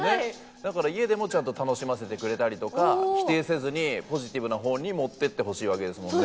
だから家でもちゃんと楽しませてくれたりとか否定せずにポジティブな方に持ってってほしいわけですもんね。